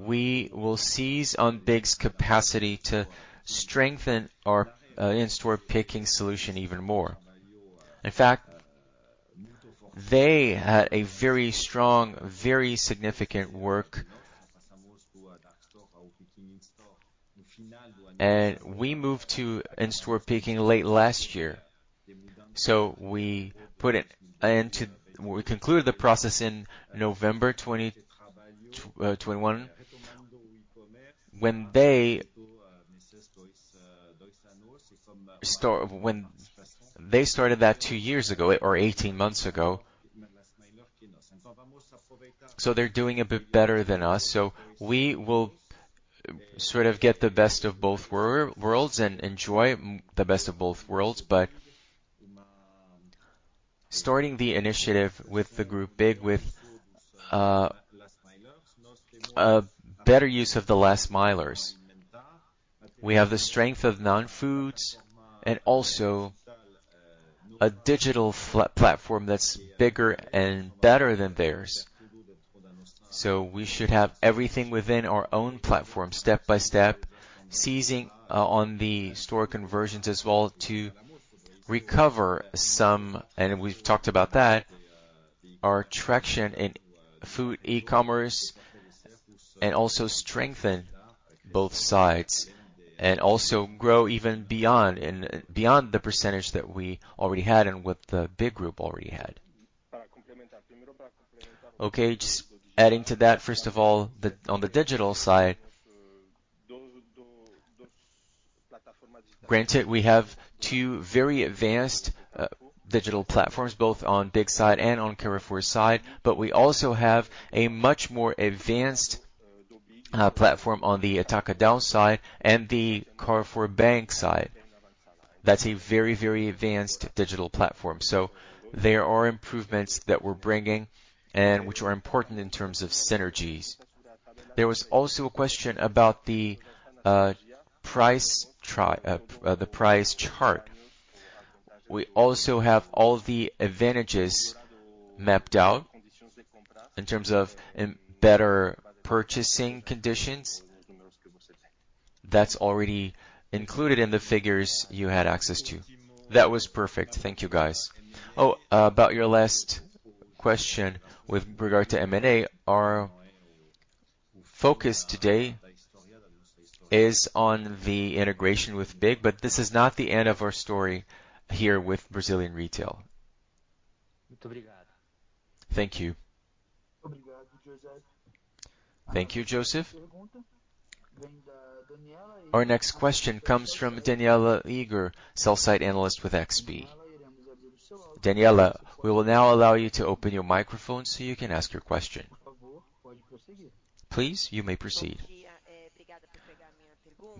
We will seize on BIG's capacity to strengthen our in-store picking solution even more. In fact, they had a very strong, very significant work, and we moved to in-store picking late last year. We concluded the process in November 2021. When they started that two years ago or 18 months ago. They're doing a bit better than us. We will sort of get the best of both worlds and enjoy the best of both worlds. Starting the initiative with Grupo BIG with a better use of the last milers. We have the strength of non-foods and also a digital platform that's bigger and better than theirs. We should have everything within our own platform step by step, seizing on the store conversions as well to recover some, and we've talked about that, our traction in food e-commerce and also strengthen both sides and also grow even beyond and beyond the percentage that we already had and what the Grupo BIG already had. Okay, just adding to that, first of all, then on the digital side, granted, we have two very advanced digital platforms, both on Grupo BIG side and on Carrefour side, but we also have a much more advanced platform on the Atacadão side and the Banco Carrefour side. That's a very, very advanced digital platform. There are improvements that we're bringing and which are important in terms of synergies. There was also a question about the price chart. We also have all the advantages mapped out in terms of, in better purchasing conditions. That's already included in the figures you had access to. That was perfect. Thank you, guys. Oh, about your last question with regard to M&A. Our focus today is on the integration with BIG, but this is not the end of our story here with Brazilian Retail. Thank you. Thank you, Joseph. Our next question comes from Danniela Eiger, sell-side analyst with XP. Daniela, we will now allow you to open your microphone so you can ask your question. Please, you may proceed.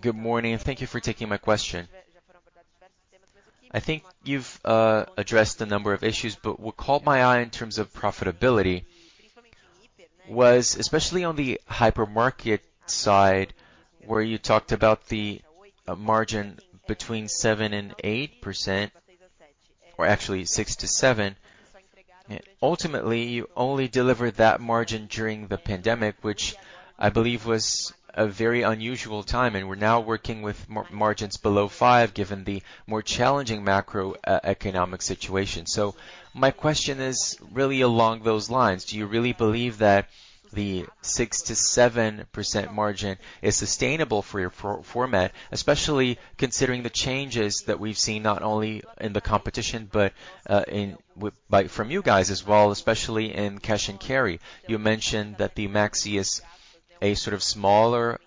Good morning, and thank you for taking my question. I think you've addressed a number of issues, but what caught my eye in terms of profitability was especially on the hypermarket side, where you talked about the margin between 7% and 8%, or actually 6%-7%. Ultimately, you only delivered that margin during the pandemic, which I believe was a very unusual time, and we're now working with margins below 5%, given the more challenging macroeconomic situation. My question is really along those lines. Do you really believe that the 6%-7% margin is sustainable for your format, especially considering the changes that we've seen not only in the competition but in, with, like, from you guys as well, especially in cash & carry? You mentioned that the Maxxi is a sort of smaller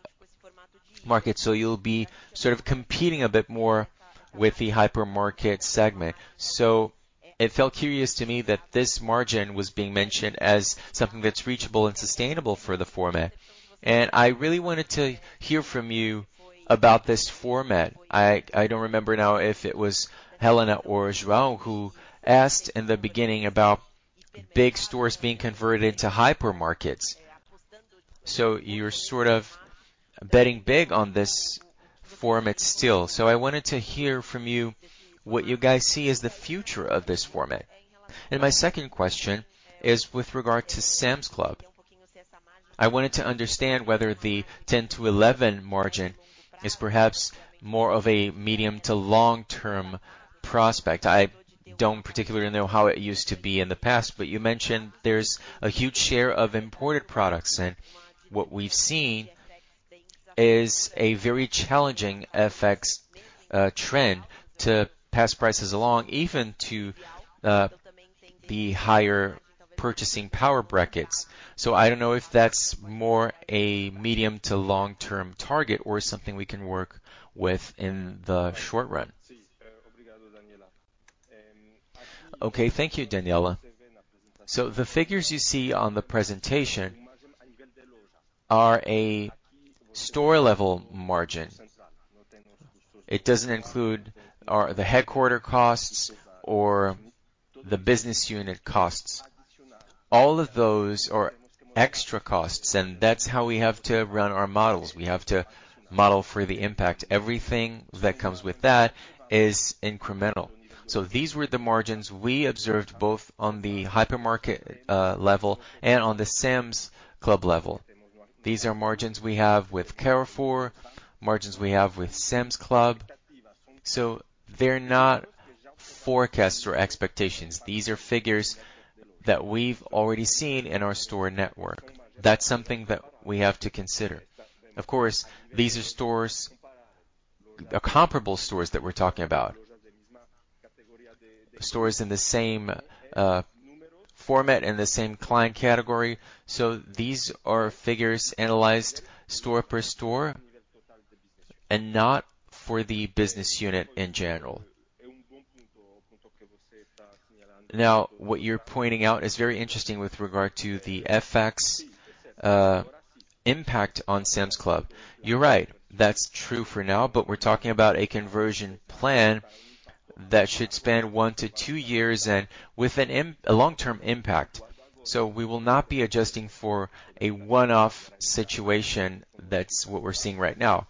market, so you'll be sort of competing a bit more with the hypermarket segment. It felt curious to me that this margin was being mentioned as something that's reachable and sustainable for the format. I really wanted to hear from you about this format. I don't remember now if it was Helena or João who asked in the beginning about BIG stores being converted to hypermarkets. You're sort of betting big on this format still. I wanted to hear from you what you guys see as the future of this format. My second question is with regard to Sam's Club. I wanted to understand whether the 10%-11% margin is perhaps more of a medium to long-term prospect. I don't particularly know how it used to be in the past, but you mentioned there's a huge share of imported products, and what we've seen is a very challenging FX trend to pass prices along, even to the higher purchasing power brackets. I don't know if that's more a medium to long-term target or something we can work with in the short run. Okay. Thank you, Daniela. The figures you see on the presentation are a store level margin. It doesn't include or the headquarters costs or the business unit costs. All of those are extra costs, and that's how we have to run our models. We have to model for the impact. Everything that comes with that is incremental. These were the margins we observed both on the hypermarket level and on the Sam's Club level. These are margins we have with Carrefour, margins we have with Sam's Club. They're not forecasts or expectations. These are figures that we've already seen in our store network. That's something that we have to consider. Of course, these are stores, comparable stores that we're talking about. Stores in the same, format and the same client category. These are figures analyzed store per store and not for the business unit in general. Now, what you're pointing out is very interesting with regard to the FX, impact on Sam's Club. You're right. That's true for now, but we're talking about a conversion plan that should span one to two years and with a long-term impact. We will not be adjusting for a one-off situation that's what we're seeing right now.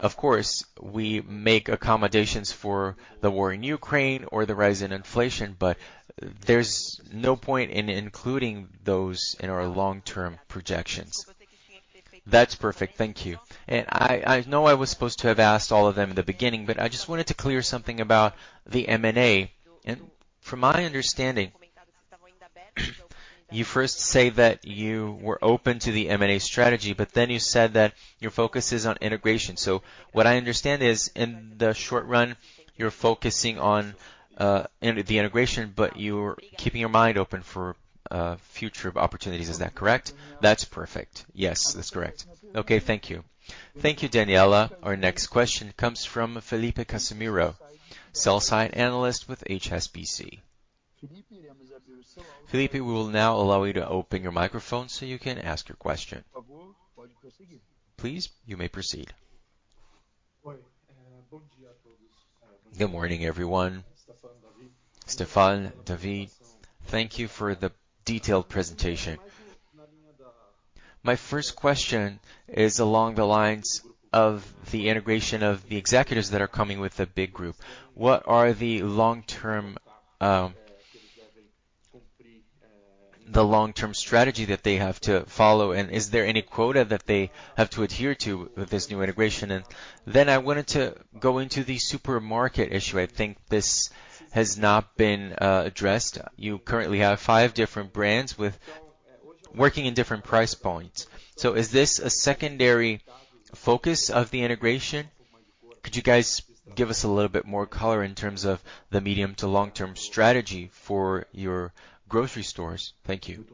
Of course, we make accommodations for the war in Ukraine or the rise in inflation, but there's no point in including those in our long-term projections. That's perfect. Thank you. I know I was supposed to have asked all of them in the beginning, but I just wanted to clear something about the M&A. From my understanding, you first say that you were open to the M&A strategy, but then you said that your focus is on integration. What I understand is, in the short run, you're focusing on in the integration, but you're keeping your mind open for future opportunities. Is that correct? That's perfect. Yes, that's correct. Okay. Thank you. Thank you, Daniela. Our next question comes from Felipe Casemiro, sell-side analyst with HSBC. Felipe, we will now allow you to open your microphone so you can ask your question. Please, you may proceed. Good morning, everyone. Stéphane, David, thank you for the detailed presentation. My first question is along the lines of the integration of the executives that are coming with the Grupo BIG. What are the long-term strategy that they have to follow, and is there any quota that they have to adhere to with this new integration? I wanted to go into the supermarket issue. I think this has not been addressed. You currently have five different brands with working in different price points. Is this a secondary focus of the integration? Could you guys give us a little bit more color in terms of the medium to long-term strategy for your grocery stores? Thank you.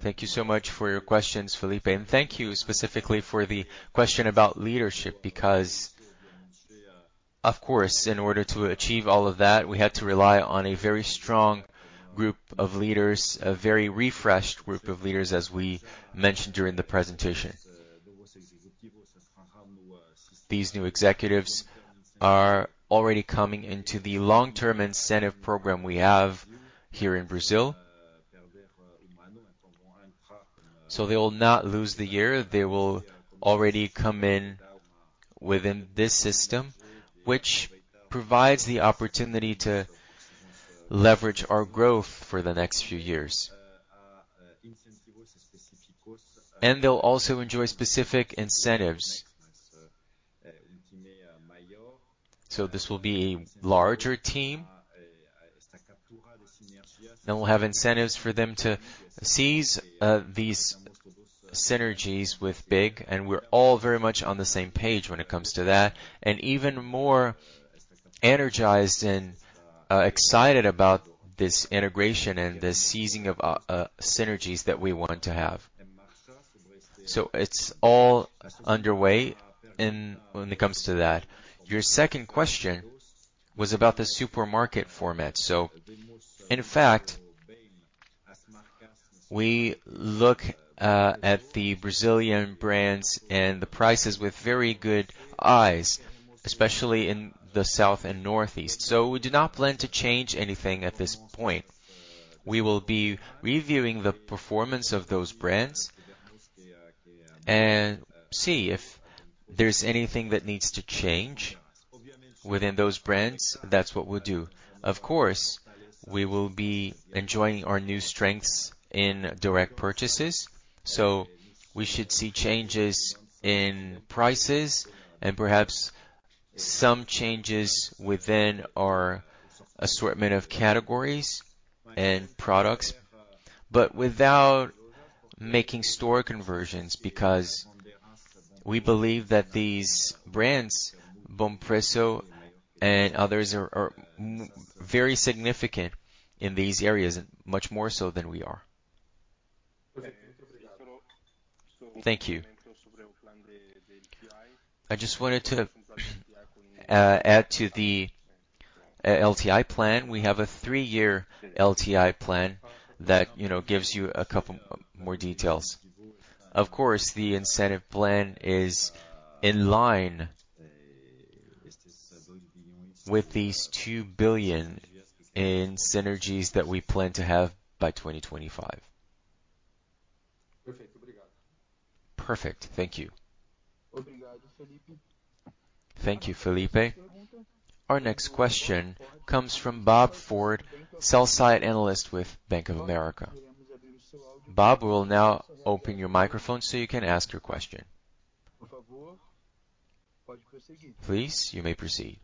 Thank you so much for your questions, Felipe. Thank you specifically for the question about leadership, because, of course, in order to achieve all of that, we had to rely on a very strong group of leaders, a very refreshed group of leaders, as we mentioned during the presentation. These new executives are already coming into the long-term incentive program we have here in Brazil. They will not lose the year. They will already come in within this system, which provides the opportunity to leverage our growth for the next few years. They'll also enjoy specific incentives. This will be a larger team, and we'll have incentives for them to seize these synergies with BIG, and we're all very much on the same page when it comes to that, and even more energized and excited about this integration and the seizing of synergies that we want to have. It's all underway when it comes to that. Your second question was about the supermarket format. In fact, we look at the Brazilian brands and the prices with very good eyes, especially in the South and Northeast. We do not plan to change anything at this point. We will be reviewing the performance of those brands and see if there's anything that needs to change within those brands. That's what we'll do. Of course, we will be enjoying our new strengths in direct purchases, so we should see changes in prices and perhaps some changes within our assortment of categories and products, but without making store conversions, because we believe that these brands, Bompreço and others, are very significant in these areas, and much more so than we are. Thank you. I just wanted to add to the LTI plan. We have a three-year LTI plan that, you know, gives you a couple more details. Of course, the incentive plan is in line with these 2 billion in synergies that we plan to have by 2025. Perfect. Thank you. Thank you, Felipe. Our next question comes from Bob Ford, sell-side analyst with Bank of America. Bob, we will now open your microphone so you can ask your question. Please, you may proceed.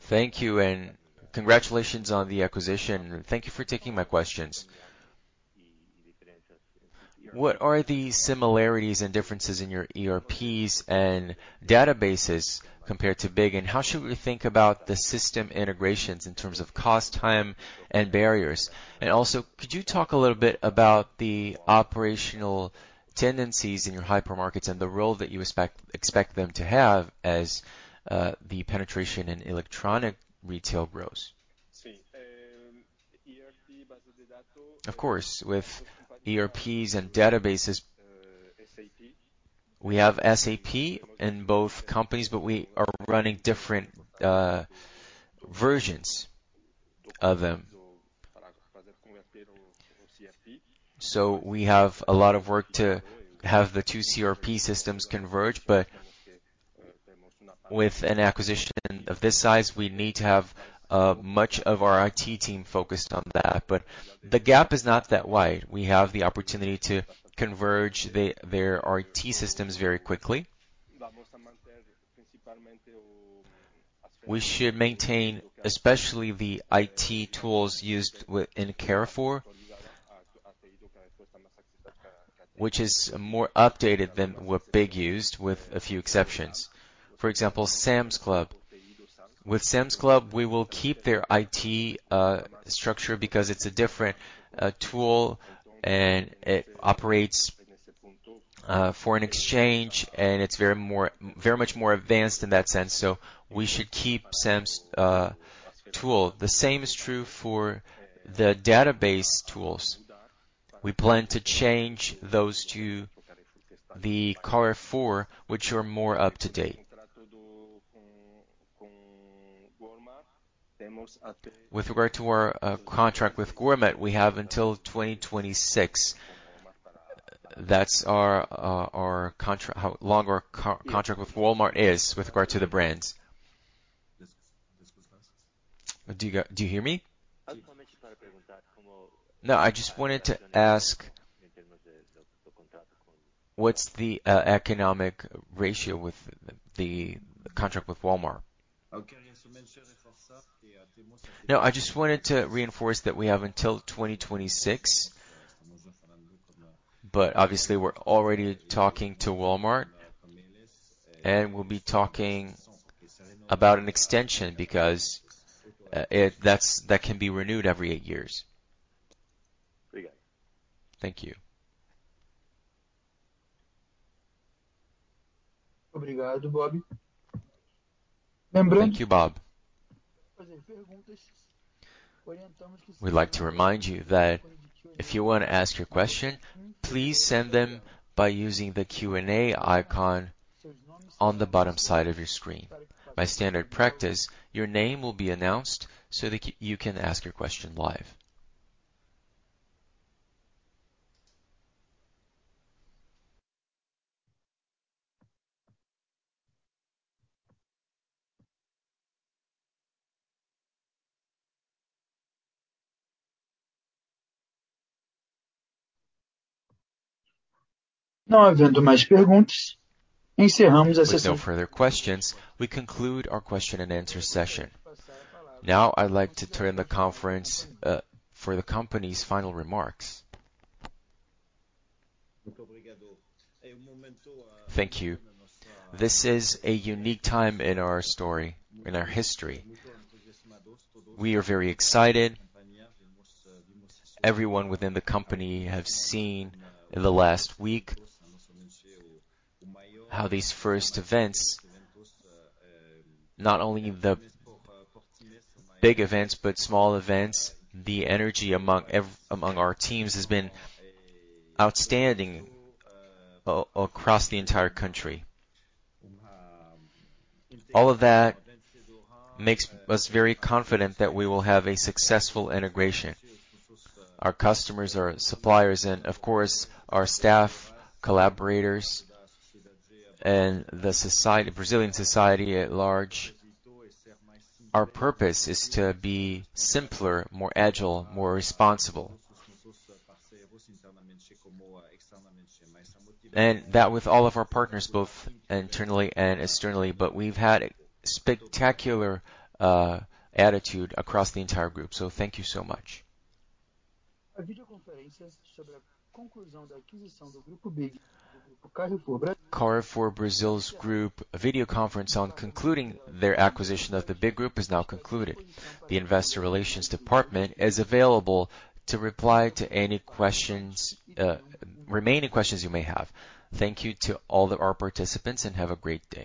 Thank you, and congratulations on the acquisition. Thank you for taking my questions. What are the similarities and differences in your ERPs and databases compared to BIG, and how should we think about the system integrations in terms of cost, time, and barriers? And also, could you talk a little bit about the operational tendencies in your hypermarkets and the role that you expect them to have as the penetration in electronic retail grows? Of course. With ERPs and databases, we have SAP in both companies, but we are running different versions of them. We have a lot of work to have the two ERP systems converge, but with an acquisition of this size, we need to have much of our IT team focused on that, but the gap is not that wide. We have the opportunity to converge their IT systems very quickly. We should maintain especially the IT tools used in Carrefour, which is more updated than what BIG used with a few exceptions. For example, Sam's Club. With Sam's Club, we will keep their IT structure because it's a different tool and it operates for an exchange, and it's very much more advanced in that sense, so we should keep Sam's tool. The same is true for the database tools. We plan to change those to the Carrefour, which are more up-to-date. With regard to our contract with Gourmet, we have until 2026. That's our contract—how long our contract with Walmart is with regard to the brands. Do you hear me? No, I just wanted to ask, what's the economic rationale with the contract with Walmart? No, I just wanted to reinforce that we have until 2026. But obviously, we're already talking to Walmart, and we'll be talking about an extension because it can be renewed every eight years. Thank you. Thank you, Bob. We'd like to remind you that if you wanna ask your question, please send them by using the Q&A icon on the bottom side of your screen. By standard practice, your name will be announced so that you can ask your question live. With no further questions, we conclude our question and answer session. Now, I'd like to turn the conference for the company's final remarks. Thank you. This is a unique time in our story, in our history. We are very excited. Everyone within the company have seen in the last week how these first events, not only the big events, but small events, the energy among among our teams has been outstanding across the entire country. All of that makes us very confident that we will have a successful integration. Our customers, our suppliers, and of course, our staff, collaborators, and Brazilian society at large, our purpose is to be simpler, more agile, more responsible. That with all of our partners, both internally and externally, but we've had a spectacular attitude across the entire group. Thank you so much. Carrefour Brasil's video conference on concluding their acquisition of Grupo BIG is now concluded. The investor relations department is available to reply to any remaining questions you may have. Thank you to all of our participants, and have a great day.